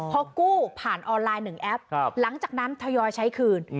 พอกู้ผ่านออนไลน์๑แอปหลังจากนั้นทยอยใช้คืน